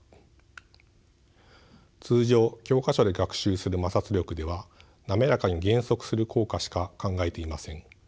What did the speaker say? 通常教科書で学習する摩擦力では滑らかに減速する効果しか考えていません。